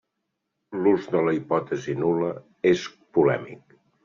L'ús de la hipòtesi nul·la és polèmic.